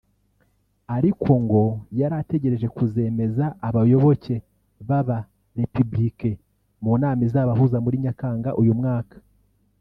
ariko ngo yari ategereje kuzemeza abayoboke b’aba- Républicain mu nama izabahuza muri Nyakanga uyu mwaka